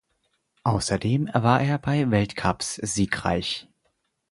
Außerdem war er bei Weltcups siegreich.